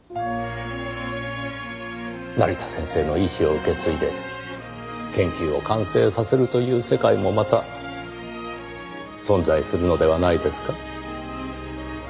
成田先生の遺志を受け継いで研究を完成させるという世界もまた存在するのではないですか？